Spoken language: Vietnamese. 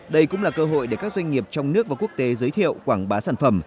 đây cũng là cơ hội để các doanh nghiệp trong nước và quốc tế giới thiệu quảng bá sản phẩm